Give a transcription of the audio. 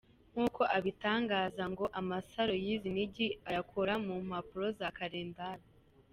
Nk’uko abitangaza, ngo amasaro y’izi nigi ayakora mu mpapuro za kalendari.